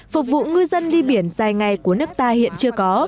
phục vụ ngư dân đi biển dài ngày của nước ta hiện chưa có